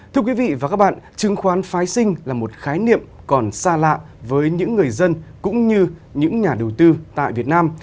thưa quý vị và các bạn chứng khoán phái sinh là một khái niệm còn xa lạ với những người dân cũng như những nhà đầu tư tại việt nam